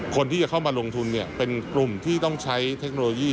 คนที่จะเข้ามาลงทุนเป็นกลุ่มที่ต้องใช้เทคโนโลยี